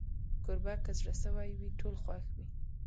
کوربه که زړه سوي وي، ټول خوښ وي.